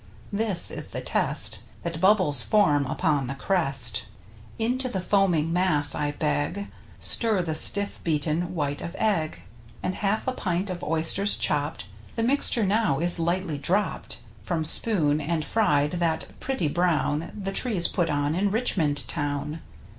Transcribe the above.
This is the test: That bubbles form upon the crest. Into the foaming mass, I beg. Stir the stiff beaten white of egg. And half a pint of oysters chopped. The mixture now is lightly dropped From spoon, and fried that pretty brown The trees put on in Richmond town.